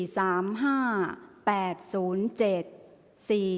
ออกรางวัลที่๖เลขที่๗